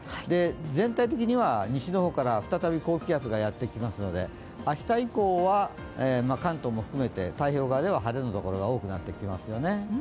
全体的には西の方から再び高気圧がやってきますので明日以降は、関東も含めて太平洋側では晴れのところが多くなってきますよね。